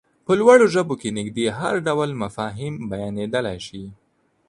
په لوړو ژبو کې نږدې هر ډول مفاهيم بيانېدلای شي.